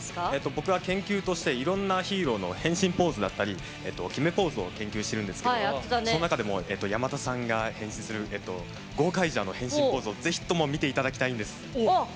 僕は研究としていろんなヒーローの変身ポーズだったり決めポーズを研究してるんですがその中でも山田さんが変身する時の「ゴーカイジャー」の変身ポーズぜひ見ていただきたいんです。